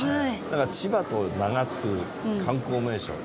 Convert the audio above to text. なんか千葉と名がつく観光名所